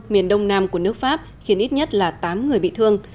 miền đông nam của nước pháp khiến ít nhất là tám người bị thương